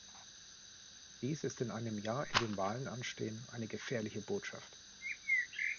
Dies ist in einem Jahr, in dem Wahlen anstehen, eine gefährliche Botschaft.